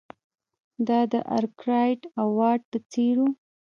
دا د ارکرایټ او واټ په څېر وو.